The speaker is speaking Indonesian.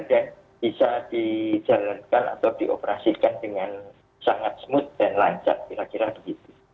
dan bisa dijalankan atau dioperasikan dengan sangat smooth dan lancar kira kira begitu